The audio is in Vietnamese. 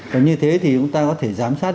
và như thế thì chúng ta có thể giám sát